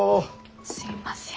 すいません。